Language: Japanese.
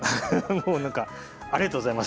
もうなんかありがとうございます。